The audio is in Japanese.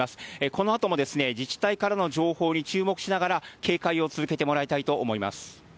このあとも自治体からの情報に注目しながら、警戒を続けてもらいたいと思います。